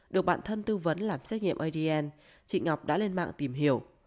được bản thân tư vấn làm xét nghiệm adn chị ngọc đã lên mạng tìm hiểu